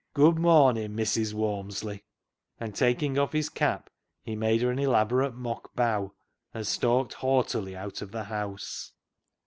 Good mornin', Missis Walmsley" and, taking off his cap, he made her an elabor ate mock bow, and stalked haughtily out of the house.